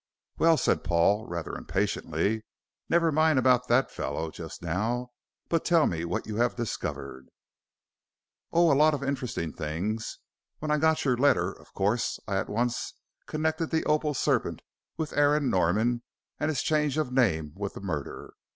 "Well," said Paul, rather impatiently, "never mind about that fellow just now, but tell me what you have discovered." "Oh, a lot of interesting things. When I got your letter, of course I at once connected the opal serpent with Aaron Norman, and his change of name with the murder.